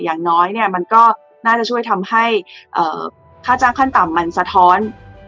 อย่างน้อยเนี่ยมันก็น่าจะช่วยทำให้ค่าจ้างขั้นต่ำมันสะท้อน